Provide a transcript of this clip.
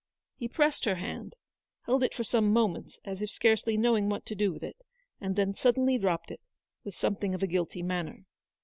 He pressed her hand, held it for a few moments, as if scarcely knowing what to do with it, and then suddenly dropped it, with something of a guilty manner.